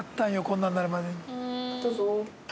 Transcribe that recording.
こんなんなるまで。